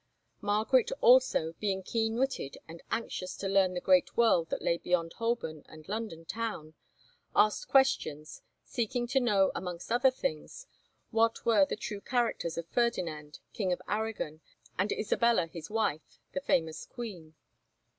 Margaret also, being keen witted and anxious to learn of the great world that lay beyond Holborn and London town, asked questions, seeking to know, amongst other things, what were the true characters of Ferdinand, King of Aragon, and Isabella his wife, the famous queen.